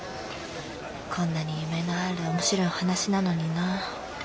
こんなに夢のある面白いお話なのにな。